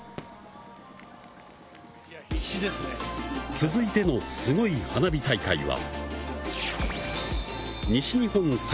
続いてのスゴイ花火大会は。